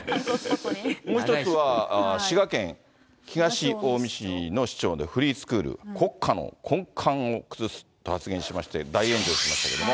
もう１つは滋賀県東近江市の市長、フリースクール、国家の根幹を崩すと発言しまして、大炎上しましたけれども。